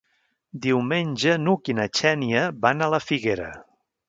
Diumenge n'Hug i na Xènia van a la Figuera.